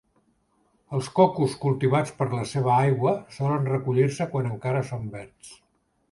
Els cocos cultivats per la seva aigua solen recollir-se quan encara són verds.